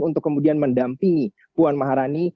untuk kemudian mendampingi puan maharani